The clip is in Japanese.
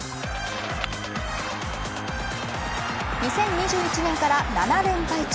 ２０２１年から７連敗中。